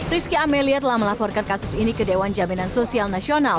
rizky amelia telah melaporkan kasus ini ke dewan jaminan sosial nasional